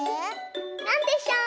なんでしょう？